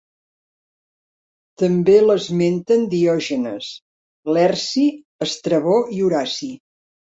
També l'esmenten Diògenes Laerci, Estrabó i Horaci.